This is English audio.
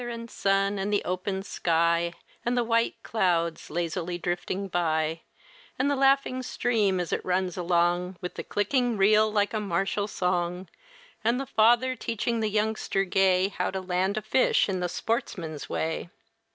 Father and son and the open sky And the white clouds lazily drifting by, And the laughing stream as it runs along With the clicking reel like a martial song, And the father teaching the youngster gay How to land a fish in the sportsman's way.